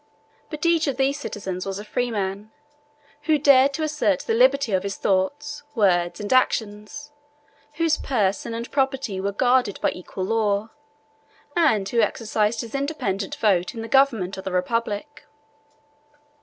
But each of these citizens was a freeman, who dared to assert the liberty of his thoughts, words, and actions, whose person and property were guarded by equal law; and who exercised his independent vote in the government of the republic.